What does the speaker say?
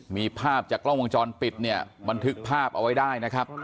มีภาพจากกล้องวงจรปิดเนี่ยบันทึกภาพเอาไว้ได้นะครับ